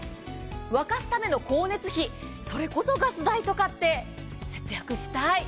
沸かすための光熱費、それこそガス代とかって節約したい。